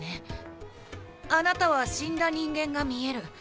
あなたは死んだ人間が見える。